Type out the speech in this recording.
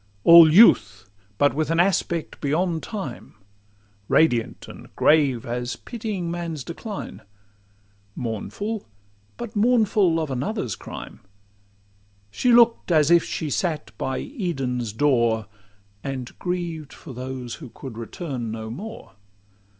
All youth—but with an aspect beyond time; Radiant and grave—as pitying man's decline; Mournful—but mournful of another's crime, She look'd as if she sat by Eden's door. And grieved for those who could return no more.